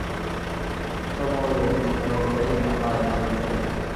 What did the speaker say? تموري ري مدد کپي ھين اماري مدد ڪرو